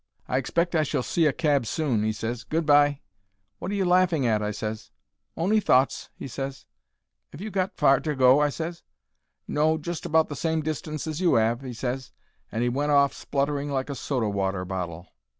"I expect I shall see a cab soon," he ses. "Good bye." "Wot are you laughing at?" I ses. "On'y thoughts," he ses. "'Ave you got far to go?' I ses. "No; just about the same distance as you 'ave," he ses, and he went off spluttering like a soda water bottle.